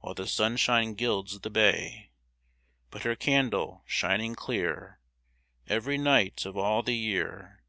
While the sunshine gilds the bay ; But her candle, shining clear. Every night of all the year.